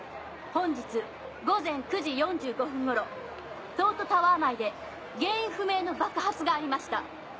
本日午前９時４５分頃東都タワー内で原因不明の爆発がありました。